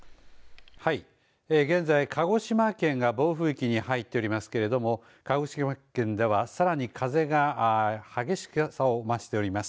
現在、鹿児島県が暴風域に入っておりますけれども鹿児島県ではさらに風が激しさを増しております。